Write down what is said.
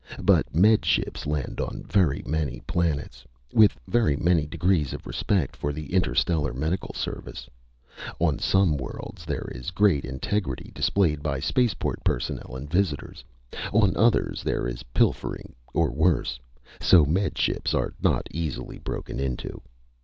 But Med Ships land on very many planets, with very many degrees of respect for the Interstellar Medical Service. On some worlds there is great integrity displayed by spaceport personnel and visitors. On others there is pilfering, or worse. So Med Ships are not easily broken into.